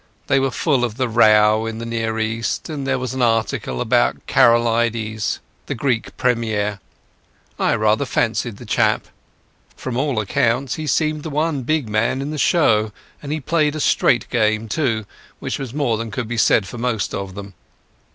They were full of the row in the Near East, and there was an article about Karolides, the Greek Premier. I rather fancied the chap. From all accounts he seemed the one big man in the show; and he played a straight game too, which was more than could be said for most of them.